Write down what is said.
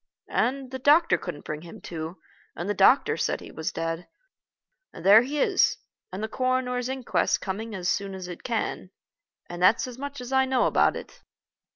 And, the doctor couldn't bring him to, and the doctor said he was dead. And there he is. And the coroner's inquest's coming as soon as it can. And that's as much as I know about it."